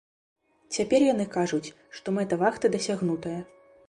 Цяпер яны кажуць, што мэта вахты дасягнутая.